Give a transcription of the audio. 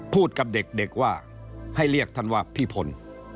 กับเด็กว่าให้เรียกท่านว่าพี่พล